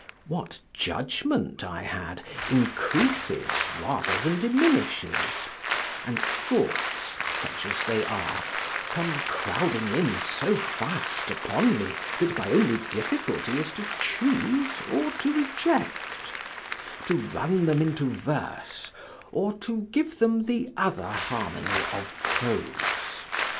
What judgment I had, increases rather than diminishes; and thoughts, such as they are, come crowding in so fast upon me, that my only difficulty is to choose or to reject; to run them into verse, or to give them the other harmony of prose.